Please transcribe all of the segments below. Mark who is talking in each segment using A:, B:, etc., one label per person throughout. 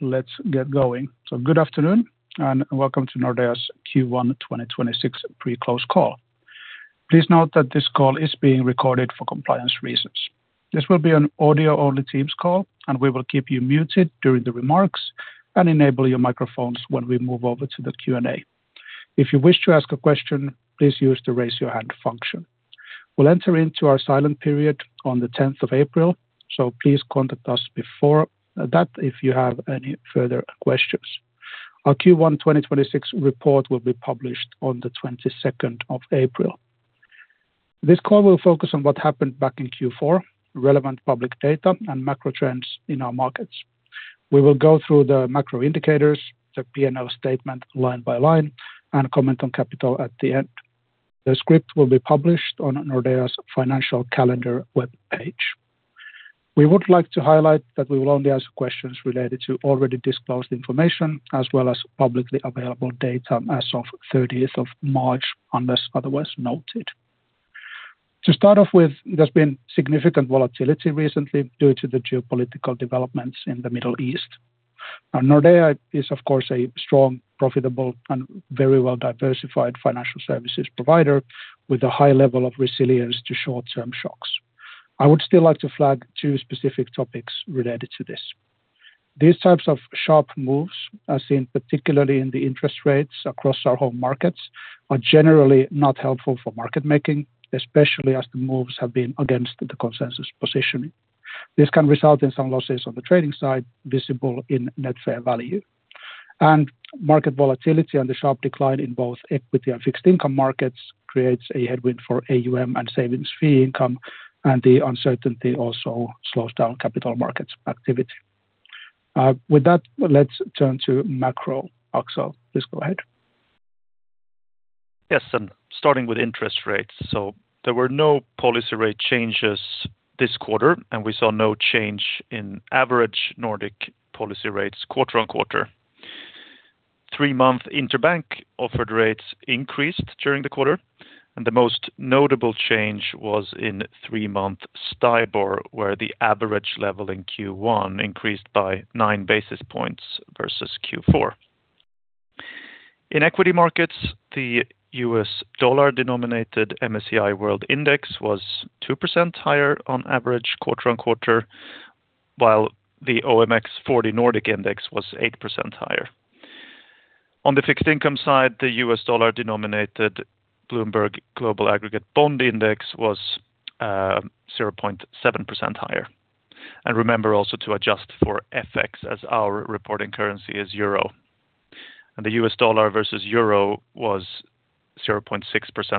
A: Let's get going. Good afternoon, and welcome to Nordea's Q1 2026 pre-close call. Please note that this call is being recorded for compliance reasons. This will be an audio-only Teams call, and we will keep you muted during the remarks and enable your microphones when we move over to the Q&A. If you wish to ask a question, please use the raise your hand function. We'll enter into our silent period on the 10th of April, so please contact us before that if you have any further questions. Our Q1 2026 report will be published on the 22nd of April. This call will focus on what happened back in Q4, relevant public data and macro trends in our markets. We will go through the macro indicators, the P&L statement line by line, and comment on capital at the end. The script will be published on Nordea's financial calendar webpage. We would like to highlight that we will only ask questions related to already disclosed information, as well as publicly available data as of 30th of March, unless otherwise noted. To start off with, there's been significant volatility recently due to the geopolitical developments in the Middle East. Nordea is, of course, a strong, profitable, and very well-diversified financial services provider with a high level of resilience to short-term shocks. I would still like to flag two specific topics related to this. These types of sharp moves seen particularly in the interest rates across our home markets are generally not helpful for market making, especially as the moves have been against the consensus positioning. This can result in some losses on the trading side visible in Net Fair Value. Market volatility on the sharp decline in both equity and fixed income markets creates a headwind for AUM and savings fee income, and the uncertainty also slows down capital markets activity. With that, let's turn to macro. Axel, please go ahead.
B: Yes. Starting with interest rates. There were no policy rate changes this quarter, and we saw no change in average Nordic policy rates quarter-on-quarter. Three-month interbank offered rates increased during the quarter, and the most notable change was in three-month STIBOR, where the average level in Q1 increased by nine basis points versus Q4. In equity markets, the US dollar-denominated MSCI World Index was 2% higher on average quarter-on-quarter, while the OMX Nordic 40 was 8% higher. On the fixed income side, the US dollar-denominated Bloomberg Global Aggregate Bond Index was 0.7% higher. Remember also to adjust for FX as our reporting currency is euro. The US dollar versus euro was 0.6%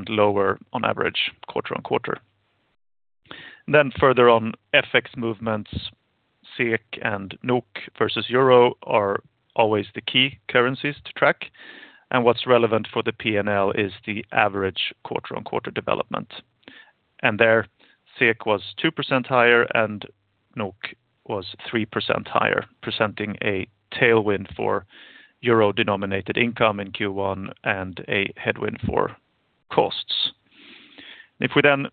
B: lower on average quarter-on-quarter. Further on FX movements, SEK and NOK versus euro are always the key currencies to track. What's relevant for the P&L is the average quarter-on-quarter development. There, SEK was 2% higher and NOK was 3% higher, presenting a tailwind for euro-denominated income in Q1 and a headwind for costs. If we then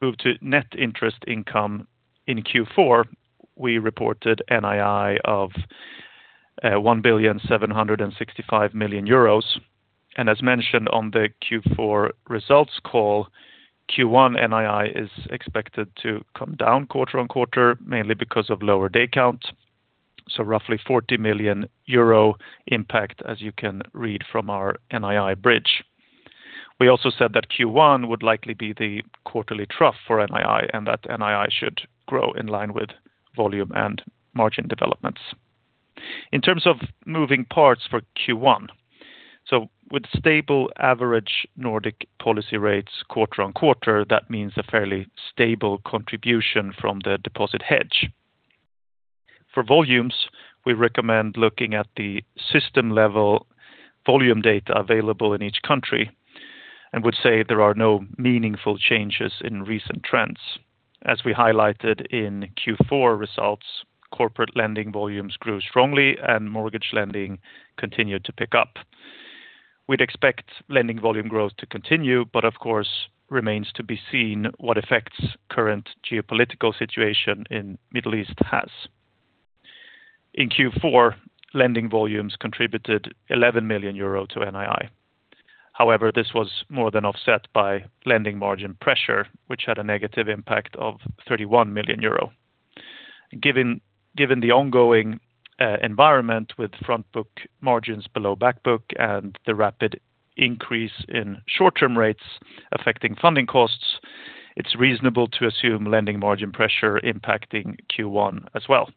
B: move to net interest income in Q4, we reported NII of 1,765 million euros. As mentioned on the Q4 results call, Q1 NII is expected to come down quarter-on-quarter, mainly because of lower day count, so roughly 40 million euro impact, as you can read from our NII bridge. We also said that Q1 would likely be the quarterly trough for NII, and that NII should grow in line with volume and margin developments. In terms of moving parts for Q1. With stable average Nordic policy rates quarter-over-quarter, that means a fairly stable contribution from the deposit hedge. For volumes, we recommend looking at the system-level volume data available in each country and would say there are no meaningful changes in recent trends. As we highlighted in Q4 results, corporate lending volumes grew strongly and mortgage lending continued to pick up. We'd expect lending volume growth to continue, but of course, remains to be seen what effects current geopolitical situation in Middle East has. In Q4, lending volumes contributed 11 million euro to NII. However, this was more than offset by lending margin pressure, which had a negative impact of 31 million euro. Given the ongoing environment with front book margins below back book and the rapid increase in short-term rates affecting funding costs, it's reasonable to assume lending margin pressure impacting Q1 as well.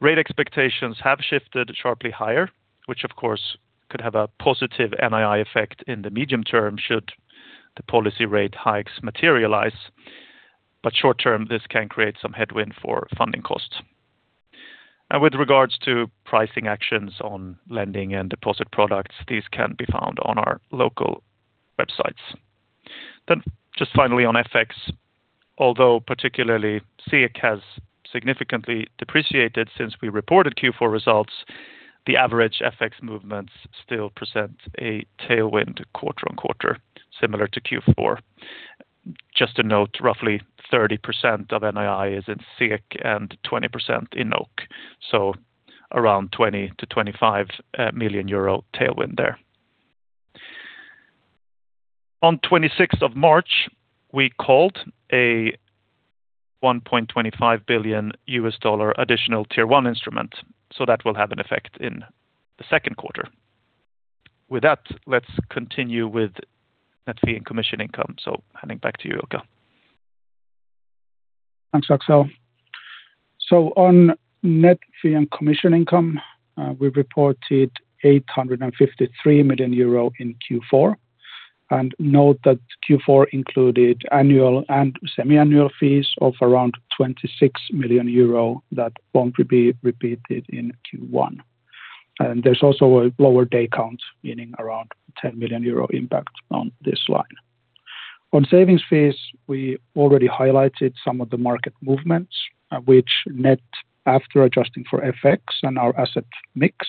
B: Rate expectations have shifted sharply higher, which of course could have a positive NII effect in the medium term should the policy rate hikes materialize. Short-term, this can create some headwind for funding costs. With regards to pricing actions on lending and deposit products, these can be found on our local websites. Just finally on FX, although particularly SEK has significantly depreciated since we reported Q4 results. The average FX movements still present a tailwind quarter-over-quarter similar to Q4. Just to note, roughly 30% of NII is in SEK and 20% in NOK. Around 20-25 million euro tailwind there. On 26th of March, we called a $1.25 billion additional tier one instrument. That will have an effect in the second quarter. With that, let's continue with Net Fee and Commission Income. Handing back to you, Ilkka.
A: Thanks, Axel. On net fee and commission income, we reported 853 million euro in Q4. Note that Q4 included annual and semi-annual fees of around 26 million euro that won't be repeated in Q1. There's also a lower day count, meaning around 10 million euro impact on this line. On savings fees, we already highlighted some of the market movements which net after adjusting for FX and our asset mix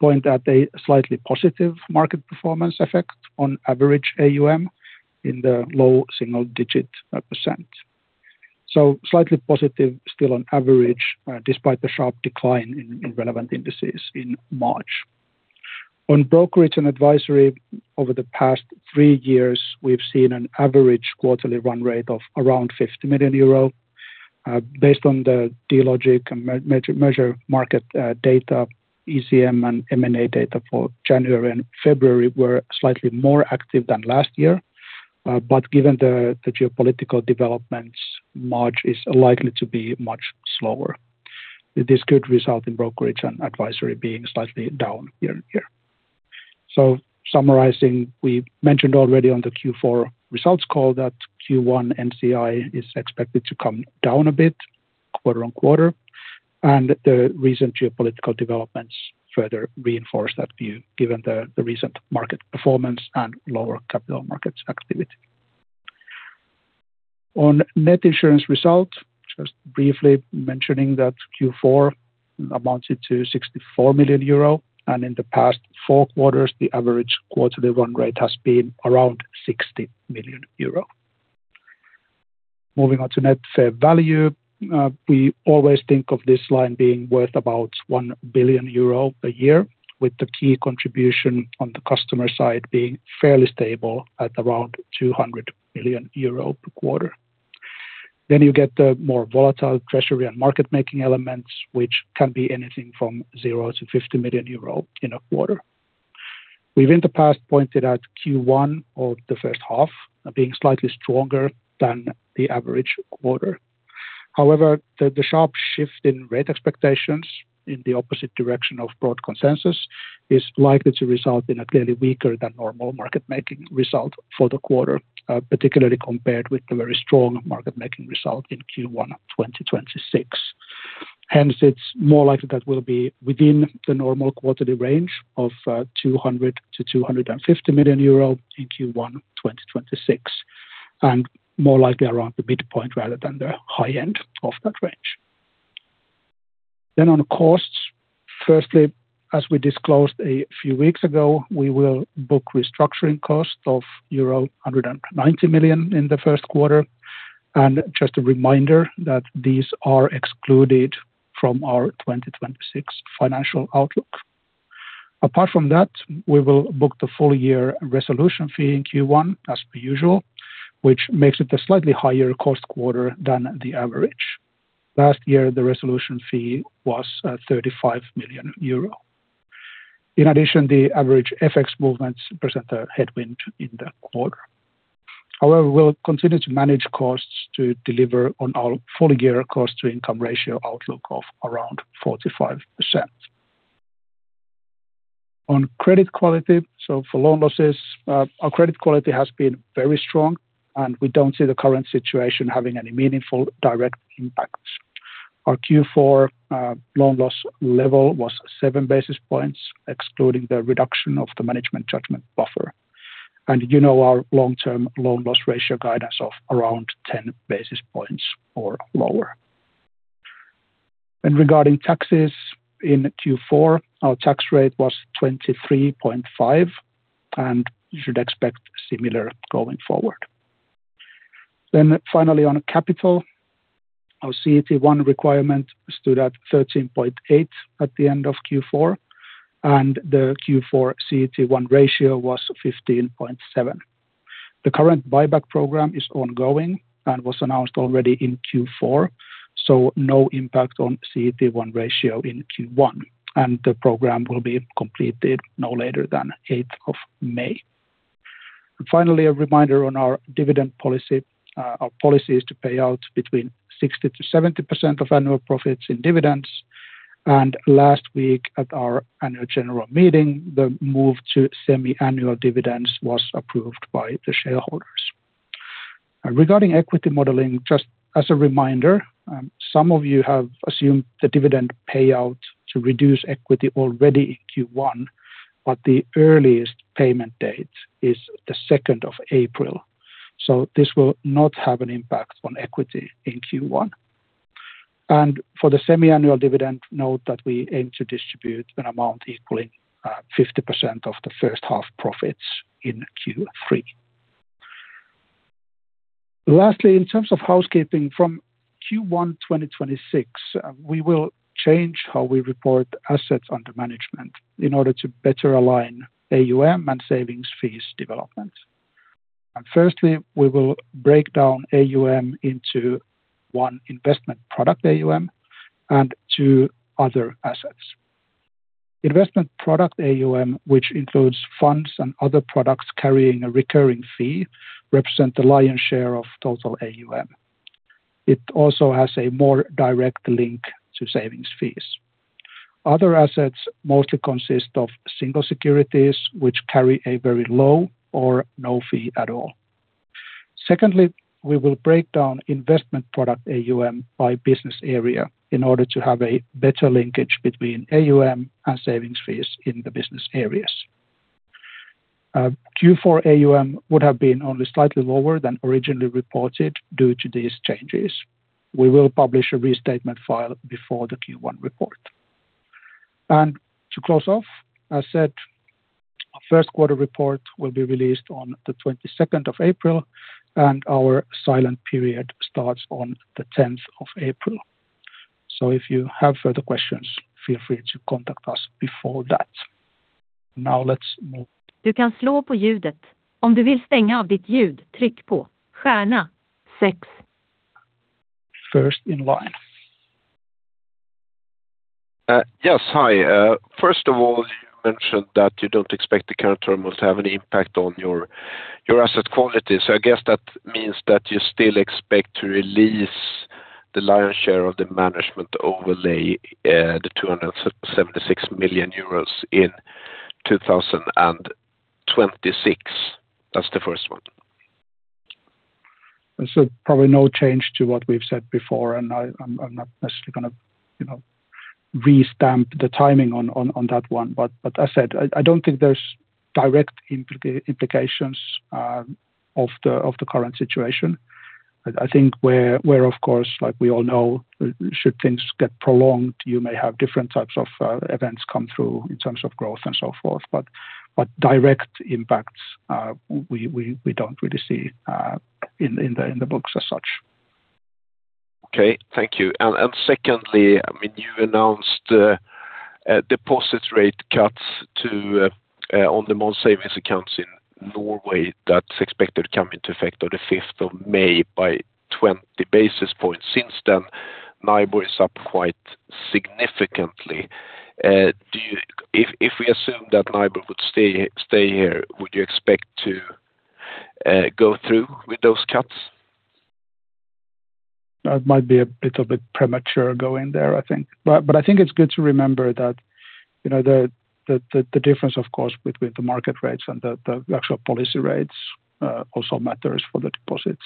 A: point at a slightly positive market performance effect on average AUM in the low single-digit percent. Slightly positive still on average, despite the sharp decline in relevant indices in March. On brokerage and advisory over the past three years, we've seen an average quarterly run rate of around 50 million euro, based on the Dealogic and Mergermarket data. ECM and M&A data for January and February were slightly more active than last year. Given the geopolitical developments, March is likely to be much slower. This could result in brokerage and advisory being slightly down year-on-year. Summarizing, we mentioned already on the Q4 results call that Q1 NCI is expected to come down a bit quarter-on-quarter, and the recent geopolitical developments further reinforce that view given the recent market performance and lower capital markets activity. On net insurance results, just briefly mentioning that Q4 amounted to 64 million euro and in the past four quarters the average quarterly run rate has been around 60 million euro. Moving on to Net Fair Value, we always think of this line being worth about 1 billion euro a year, with the key contribution on the customer side being fairly stable at around 200 million euro per quarter. You get the more volatile treasury and market making elements, which can be anything from 0 to 50 million euro in a quarter. We've in the past pointed at Q1 or the first half being slightly stronger than the average quarter. However, the sharp shift in rate expectations in the opposite direction of broad consensus is likely to result in a clearly weaker than normal market making result for the quarter, particularly compared with the very strong market making result in Q1 of 2026. Hence, it's more likely that we'll be within the normal quarterly range of 200 million-250 million euro in Q1 2026, and more likely around the midpoint rather than the high end of that range. On costs, firstly, as we disclosed a few weeks ago, we will book restructuring costs of euro 190 million in the first quarter. Just a reminder that these are excluded from our 2026 financial outlook. Apart from that, we will book the full year resolution fee in Q1 as per usual, which makes it a slightly higher cost quarter than the average. Last year, the resolution fee was 35 million euro. In addition, the average FX movements present a headwind in the quarter. However, we'll continue to manage costs to deliver on our full year cost to income ratio outlook of around 45%. On credit quality, for loan losses, our credit quality has been very strong, and we don't see the current situation having any meaningful direct impacts. Our Q4 loan loss level was 7 basis points, excluding the reduction of the management judgment buffer. You know our long-term loan loss ratio guidance of around 10 basis points or lower. Regarding taxes, in Q4, our tax rate was 23.5%, and you should expect similar going forward. Finally, on capital, our CET1 requirement stood at 13.8 at the end of Q4, and the Q4 CET1 ratio was 15.7. The current buyback program is ongoing and was announced already in Q4, so no impact on CET1 ratio in Q1, and the program will be completed no later than 8th of May. Finally, a reminder on our dividend policy. Our policy is to pay out between 60%-70% of annual profits in dividends. Last week at our annual general meeting, the move to semi-annual dividends was approved by the shareholders. Regarding equity modeling, just as a reminder, some of you have assumed the dividend payout to reduce equity already in Q1, but the earliest payment date is the 2nd of April, so this will not have an impact on equity in Q1. For the semiannual dividend, note that we aim to distribute an amount equaling 50% of the first half profits in Q3. Lastly, in terms of housekeeping, from Q1 2026, we will change how we report assets under management in order to better align AUM and savings fees development. Firstly, we will break down AUM into one investment product AUM and two other assets. Investment product AUM, which includes funds and other products carrying a recurring fee, represent the lion's share of total AUM. It also has a more direct link to savings fees. Other assets mostly consist of single securities which carry a very low or no fee at all. Secondly, we will break down investment product AUM by business area in order to have a better linkage between AUM and savings fees in the business areas. Q4 AUM would have been only slightly lower than originally reported due to these changes. We will publish a restatement file before the Q1 report. To close off, as said, our first quarter report will be released on the 22nd of April, and our silent period starts on the 10th of April. If you have further questions, feel free to contact us before that. Now let's move.
C: You can look up your [inaudible]
A: First in line.
D: Yes. Hi. First of all, you mentioned that you don't expect the current term will have any impact on your asset quality. I guess that means that you still expect to release the lion's share of the management overlay, the 276 million euros in 2026. That's the first one.
A: Probably no change to what we've said before, and I'm not necessarily gonna, you know, re-stamp the timing on that one. I said I don't think there's direct implications of the current situation. I think where of course, like we all know, should things get prolonged, you may have different types of events come through in terms of growth and so forth. Direct impacts, we don't really see in the books as such.
D: Okay. Thank you. Secondly, I mean, you announced a deposit rate cuts to on the most savings accounts in Norway that's expected to come into effect on the 5th of May by 20 basis points. Since then, NIBOR is up quite significantly. If we assume that NIBOR would stay here, would you expect to go through with those cuts?
A: That might be a bit of a premature going there, I think. I think it's good to remember that, you know, the difference, of course, with the market rates and the actual policy rates also matters for the deposits.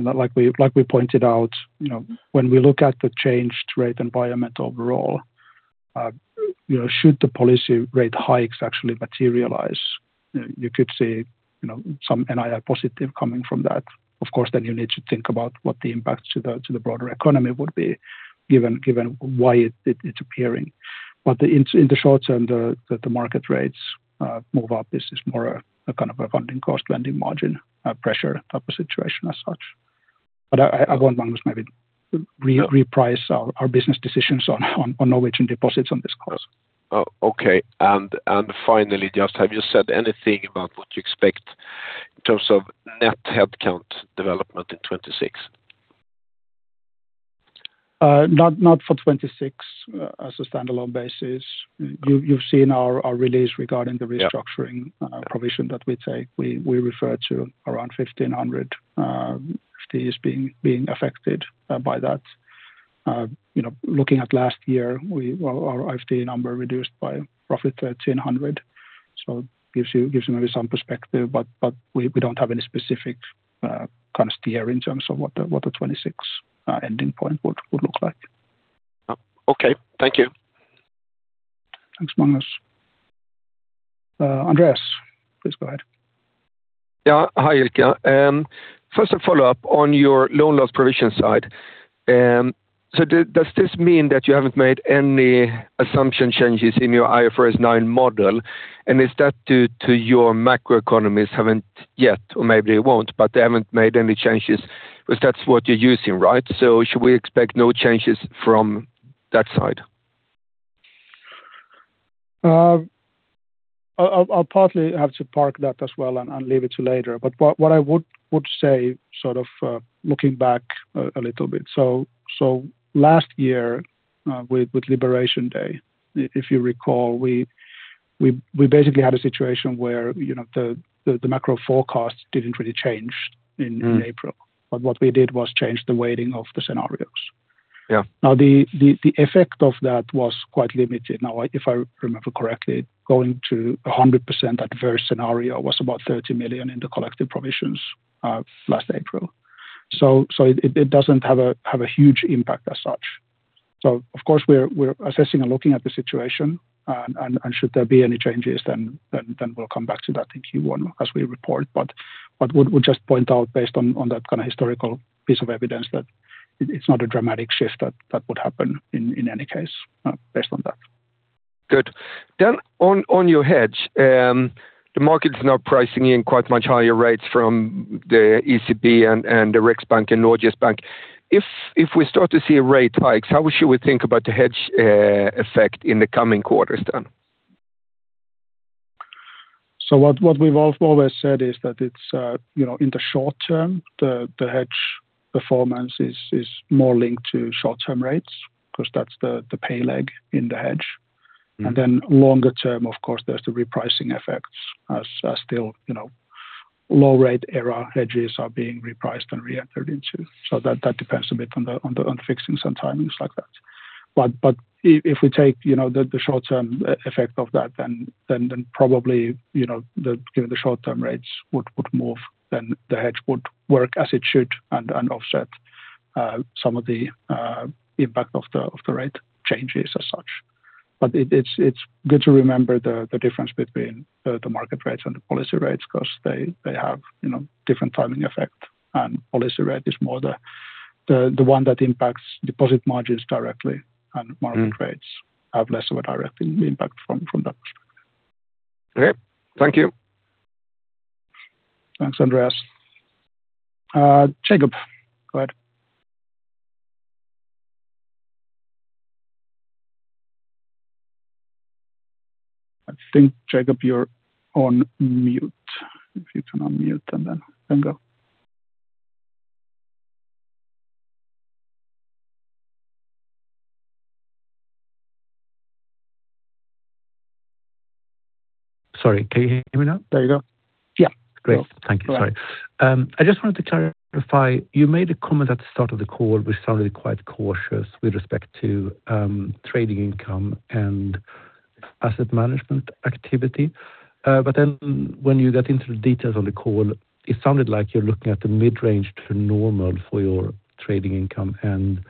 A: Like we pointed out, you know, when we look at the changed rate environment overall, you know, should the policy rate hikes actually materialize, you know, you could see some NII positive coming from that. Of course, then you need to think about what the impacts to the broader economy would be given why it's appearing. In the short term, the market rates move up. This is more a kind of a funding cost, lending margin pressure type of situation as such. I want to know what was maybe the repricing of our business decisions on Norwegian deposits on this call.
D: Oh, okay. Finally, just have you said anything about what you expect in terms of net headcount development in 2026?
A: Not for 2026 as a standalone basis. You've seen our release regarding the restructuring.
D: Yeah.
A: provision that we take. We refer to around 1,500 FTEs being affected by that. You know, looking at last year, well, our FTE number reduced by roughly 1,300, so gives you maybe some perspective. We don't have any specific kind of steer in terms of what the 2026 ending point would look like.
D: Oh. Okay. Thank you.
A: Thanks, Magnus. Andreas, please go ahead.
E: Yeah. Hi, Ilkka. First a follow-up on your loan loss provision side. Does this mean that you haven't made any assumption changes in your IFRS9 model? Is that due to your macroeconomic scenarios haven't yet or maybe it won't, but they haven't made any changes, because that's what you're using, right? Should we expect no changes from that side?
A: I'll partly have to park that as well and leave it to later. What I would say, sort of, looking back a little bit, last year with Liberation Day, if you recall, we basically had a situation where, you know, the macro forecast didn't really change in April.
E: Mm-hmm.
A: What we did was change the weighting of the scenarios.
E: Yeah.
A: Now, the effect of that was quite limited. Now, if I remember correctly, going to 100% adverse scenario was about 30 million in the collective provisions last April. So it doesn't have a huge impact as such. Of course, we're assessing and looking at the situation, and should there be any changes then we'll come back to that in Q1 as we report. We'll just point out based on that kinda historical piece of evidence that it's not a dramatic shift that would happen in any case, based on that.
E: Good. On your hedge, the market is now pricing in quite much higher rates from the ECB and the Riksbank and Norges Bank. If we start to see rate hikes, how should we think about the hedge effect in the coming quarters?
A: What we've always said is that it's, you know, in the short term, the hedge performance is more linked to short-term rates because that's the pay leg in the hedge.
E: Mm.
A: Then longer term, of course, there's the repricing effects as still, you know, low rate era hedges are being repriced and re-entered into. That depends a bit on fixings and timings like that. But if we take, you know, the short-term effect of that, then probably, you know, the short-term rates would move, then the hedge would work as it should and offset some of the impact of the rate changes as such. But it's good to remember the difference between the market rates and the policy rates 'cause they have, you know, different timing effect. Policy rate is more the one that impacts deposit margins directly-
E: Mm.
A: Market rates have less of a direct impact from that perspective.
E: Okay. Thank you.
A: Thanks, Andreas. Jacob, go ahead. I think, Jacob, you're on mute. If you can unmute and then go.
F: Sorry. Can you hear me now?
A: There you go. Yeah.
F: Great. Thank you. Sorry. I just wanted to clarify, you made a comment at the start of the call which sounded quite cautious with respect to, trading income and asset management activity. But then when you got into the details on the call, it sounded like you're looking at the mid-range to normal for your trading income and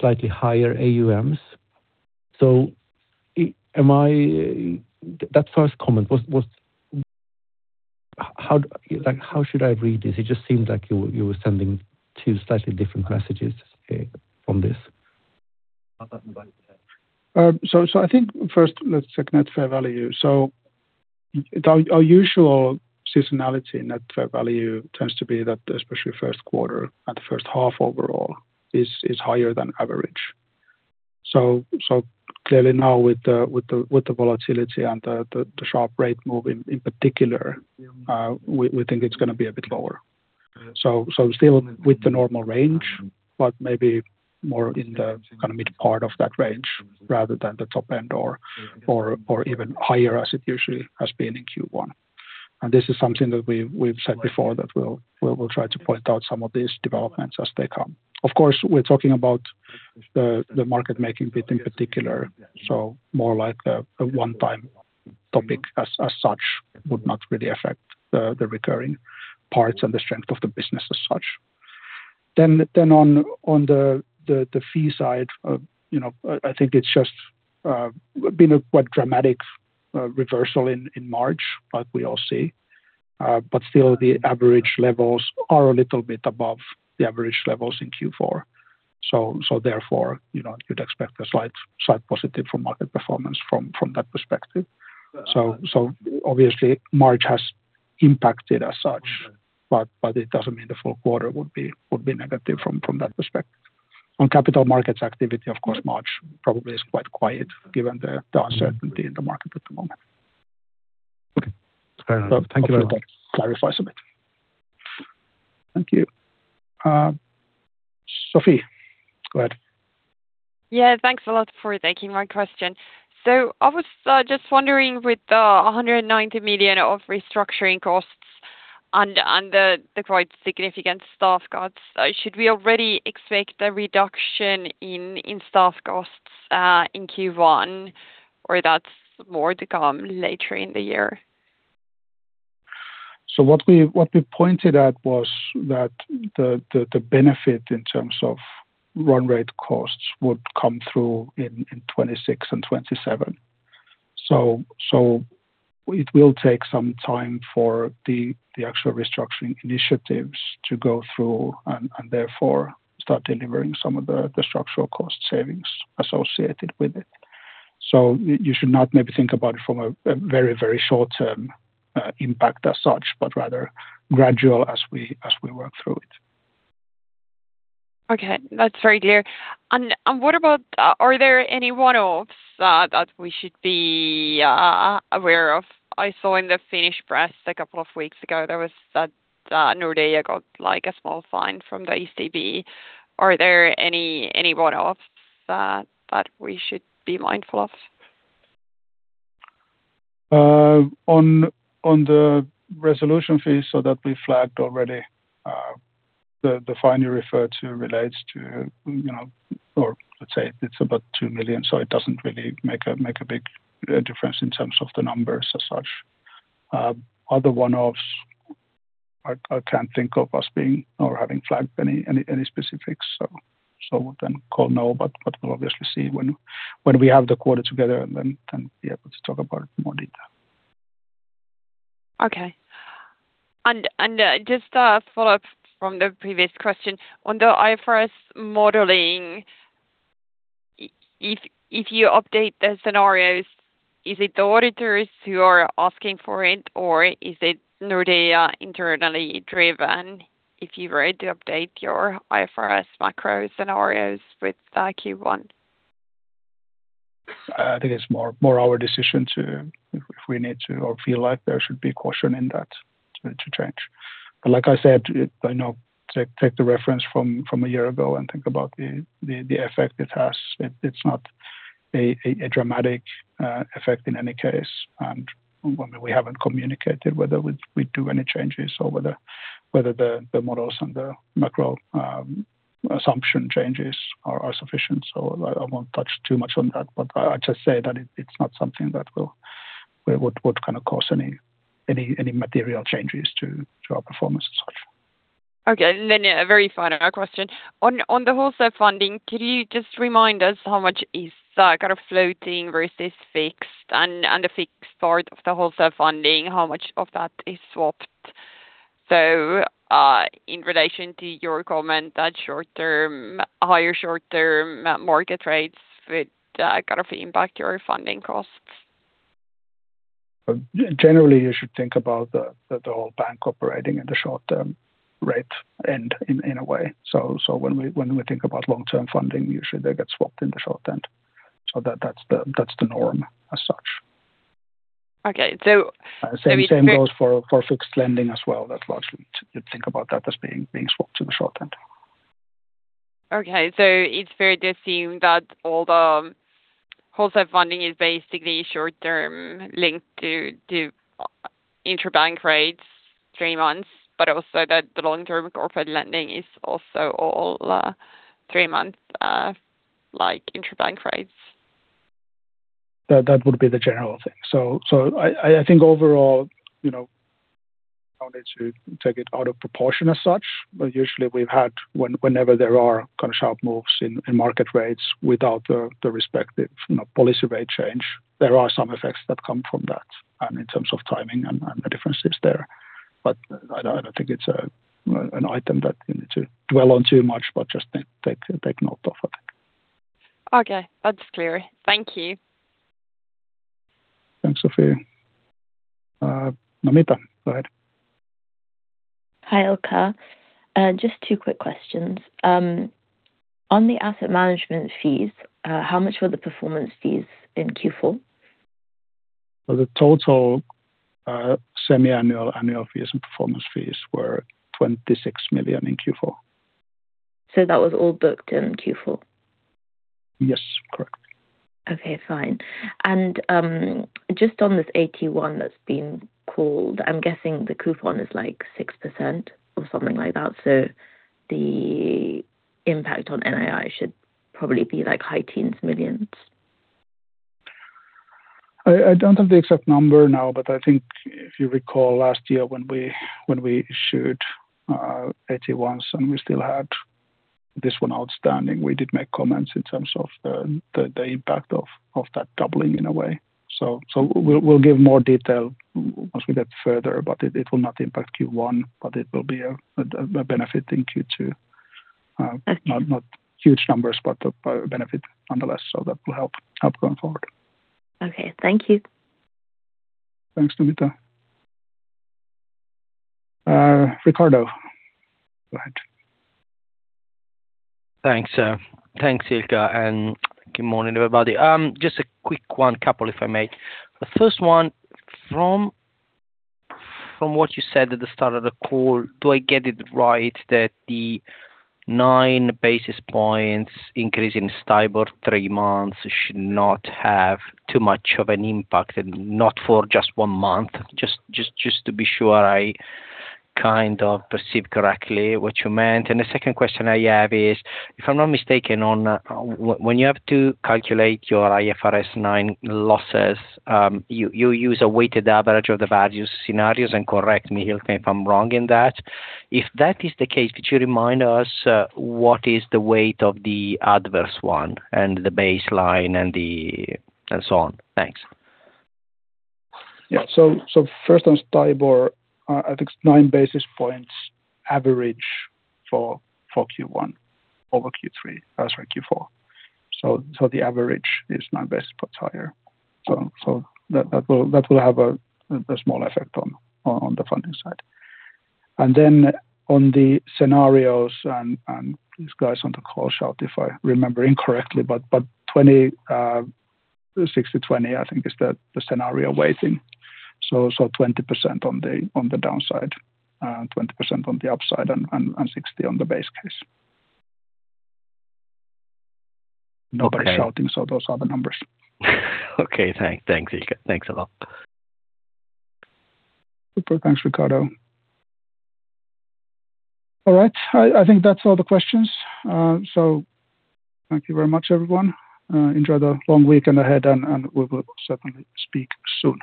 F: slightly higher AUMs. So am I... That first comment, was... Like, how should I read this? It just seemed like you were sending two slightly different messages, on this.
A: I think first let's check Net Fair Value. Our usual seasonality Net Fair Value tends to be that especially first quarter and the first half overall is higher than average. Clearly now with the volatility and the sharp rate move in particular, we think it's gonna be a bit lower. Still with the normal range, but maybe more in the kinda mid part of that range rather than the top end or even higher as it usually has been in Q1. This is something that we've said before that we'll try to point out some of these developments as they come. Of course, we're talking about the market making bit in particular, so more like a one-time topic as such would not really affect the recurring parts and the strength of the business as such. On the fee side, you know, I think it's just been a quite dramatic reversal in March, like we all see. But still the average levels are a little bit above the average levels in Q4. Therefore, you know, you'd expect a slight positive from market performance from that perspective. Obviously March has impacted as such, but it doesn't mean the full quarter would be negative from that perspective. On capital markets activity, of course, March probably is quite quiet given the uncertainty in the market at the moment.
F: Okay. Fair enough. Thank you very much.
A: Hope that clarifies a bit. Thank you. Sofia, go ahead.
G: Thanks a lot for taking my question. I was just wondering with the 190 million of restructuring costs and the quite significant staff cuts. Should we already expect the reduction in staff costs in Q1, or that's more to come later in the year?
A: What we pointed at was that the benefit in terms of run rate costs would come through in 2026 and 2027. It will take some time for the actual restructuring initiatives to go through and therefore start delivering some of the structural cost savings associated with it. You should not maybe think about it from a very short-term impact as such, but rather gradual as we work through it.
G: Okay. That's very clear. What about? Are there any one-offs that we should be aware of? I saw in the Finnish press a couple of weeks ago, there was that Nordea got like a small fine from the ECB. Are there any one-offs that we should be mindful of?
A: On the resolution fee that we flagged already, the fine you refer to relates to, you know, or let's say it's about 2 million, so it doesn't really make a big difference in terms of the numbers as such. Other one-offs, I can't think of us being or having flagged any specifics. We'll then call now, but we'll obviously see when we have the quarter together, then be able to talk about it in more detail.
G: Just a follow-up from the previous question. On the IFRS modeling, if you update the scenarios, is it the auditors who are asking for it, or is it Nordea internally driven if you were to update your IFRS macro scenarios with Q1?
A: I think it's more our decision to, if we need to or feel like there should be caution in that, to change. Like I said, you know, take the reference from a year ago and think about the effect it has. It's not a dramatic effect in any case, and when we haven't communicated whether we do any changes or whether the models and the macro assumption changes are sufficient. I won't touch too much on that, but I just say that it's not something that would kind of cause any material changes to our performance as such.
G: Okay. A very final question. On the wholesale funding, could you just remind us how much is kind of floating versus fixed? And the fixed part of the wholesale funding, how much of that is swapped? In relation to your comment that higher short-term market rates would kind of impact your funding costs.
A: Generally, you should think about the whole bank operating in the short-term rate and in a way. When we think about long-term funding, usually they get swapped in the short end. That's the norm as such.
G: Okay.
A: Same goes for fixed lending as well. That's largely you'd think about that as being swapped to the short end.
G: Okay. It's fair to assume that all the wholesale funding is basically short-term linked to interbank rates three months, but also that the long-term corporate lending is also all three-month like interbank rates.
A: That would be the general thing. I think overall, you know, no need to take it out of proportion as such. Usually we've had whenever there are kind of sharp moves in market rates without the respective, you know, policy rate change, there are some effects that come from that and in terms of timing and the differences there. I don't think it's an item that you need to dwell on too much, but just take note of it.
G: Okay. That's clear. Thank you.
A: Thanks, Sofia. Namita, go ahead.
H: Hi, Ilkka. Just two quick questions. On the asset management fees, how much were the performance fees in Q4?
A: The total semiannual annual fees and performance fees were 26 million in Q4.
H: That was all booked in Q4?
A: Yes, correct.
H: Okay, fine. Just on this AT1 that's been called, I'm guessing the coupon is like 6% or something like that, so the impact on NII should probably be like high teens million EUR.
A: I don't have the exact number now, but I think if you recall last year when we issued AT1s and we still had this one outstanding, we did make comments in terms of the impact of that doubling in a way. We'll give more detail once we get further, but it will not impact Q1, but it will be a benefit in Q2.
H: Okay.
A: Not huge numbers, but a benefit nonetheless. That will help going forward.
H: Okay. Thank you.
A: Thanks, Namita. Ricardo, go ahead.
I: Thanks, thanks, Ilkka, and good morning, everybody. Just a quick one, couple if I may. The first one, from what you said at the start of the call, do I get it right that the 9 basis points increase in STIBOR three months should not have too much of an impact and not for just one month? Just to be sure I kind of perceive correctly what you meant. The second question I have is, if I'm not mistaken on, when you have to calculate your IFRS9 losses, you use a weighted average of the value scenarios, and correct me, Ilkka, if I'm wrong in that. If that is the case, could you remind us, what is the weight of the adverse one and the baseline and so on? Thanks.
A: Yeah. First on STIBOR, I think it's 9 basis points average for Q1 over Q3. Sorry, Q4. The average is 9 basis points higher. That will have a small effect on the funding side. Then on the scenarios and please guys on the call shout if I remember incorrectly, but 20 60 20 I think is the scenario weighting. 20% on the downside, 20% on the upside and 60 on the base case.
I: Okay.
A: Nobody's shouting, so those are the numbers.
I: Okay, thanks, Ilkka. Thanks a lot.
A: Super. Thanks, Ricardo. All right. I think that's all the questions. Thank you very much, everyone. Enjoy the long weekend ahead and we will certainly speak soon.